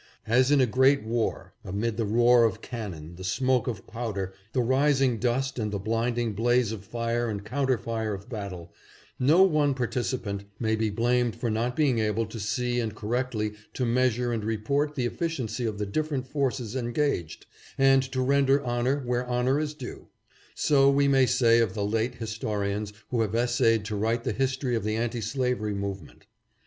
As in a great war, amid the roar of cannon, the smoke of powder, the rising dust and the blinding blaze of fire and counter fire of battle, no one participant may be blamed for not being able to see and correctly to measure and report the efficiency of the different forces engaged, and to render honor where honor is due ; so we may say of the late historians who have essayed to write the history of the anti slavery movement.